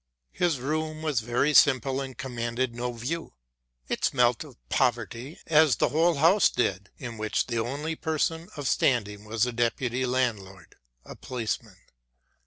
His room was very simple and commanded no view. It smelt of poverty, as the whole house did, in which the only person of standing was the deputy landlord, a policeman.